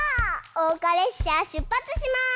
おうかれっしゃしゅっぱつします！